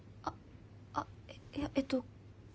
あっいやえっと